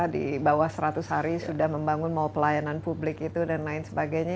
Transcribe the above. di bawah seratus hari sudah membangun mall pelayanan publik itu dan lain sebagainya